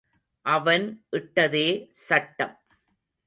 அவன் இட்டதே சட்டம்.